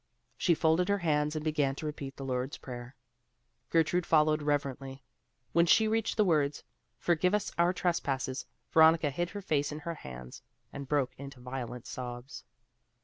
She folded her hands and began to repeat the Lord's prayer. Gertrude followed reverently. When she reached the words, "Forgive us our trespasses," Veronica hid her face in her hands, and broke into violent sobs.